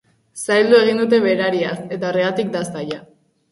Zaildu egin dute berariaz, eta horregatik da zaila.